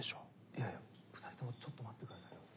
いやいや２人ともちょっと待ってくださいよ。